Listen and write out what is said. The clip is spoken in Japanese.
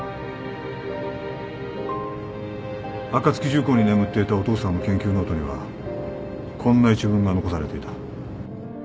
暁重工に眠っていたお父さんの研究ノートにはこんな一文が残されていた。